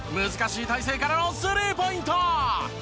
難しい体勢からのスリーポイント！